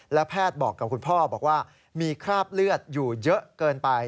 แล้วแพทย์บอกกับคุณพ่อบอกว่ามีคราบเลือดอยู่เยอะเกินไป